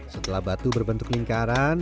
setelah batu berbentuk lingkaran